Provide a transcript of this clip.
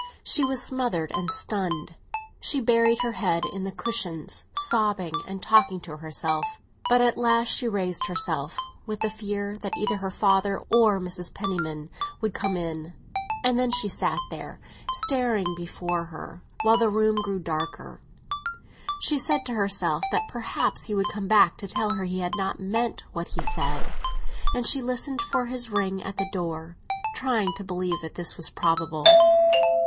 She was smothered and stunned; she buried her head in the cushions, sobbing and talking to herself. But at last she raised herself, with the fear that either her father or Mrs. Penniman would come in; and then she sat there, staring before her, while the room grew darker. She said to herself that perhaps he would come back to tell her he had not meant what he said; and she listened for his ring at the door, trying to believe that this was probable.